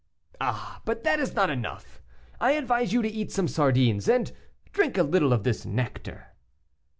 "Ah! but that is not enough; I advise you to eat some sardines, and drink a little of this nectar."